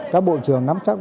các bộ trưởng nắm chắc